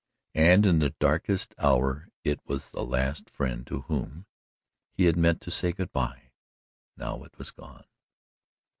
And in the darkest hour it was the last friend to whom he had meant to say good by. Now it was gone.